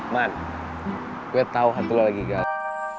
man gue tau hati lo lagi galau